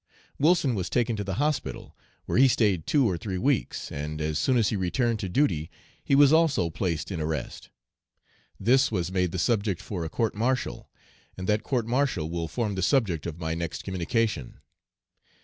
Wilson was taken to the hospital, where he stayed two or three weeks, and as soon as he returned to duty he was also placed in arrest. This was made the subject for a court martial, and that court martial will form the subject of my next communication.